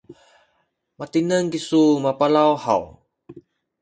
matineng kisu mapalaw haw?